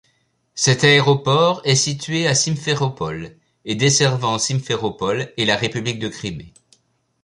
Cet aéroport est situé à Simferopol et desservant Simferopol et la République de Crimée.